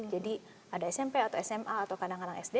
ada smp atau sma atau kadang kadang sd